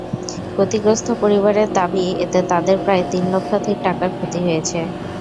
ক্ষতিগ্রস্ত পরিবারের দাবি, এতে তাদের প্রায় তিন লক্ষাধিক টাকার ক্ষতি হয়েছে।